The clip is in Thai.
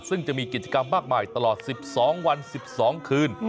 ซึ่งจะมีกิจกรรมมากมายตลอด๑๒วัน๑๒คืน